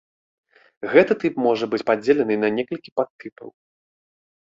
Гэты тып можа быць падзелены на некалькі падтыпаў.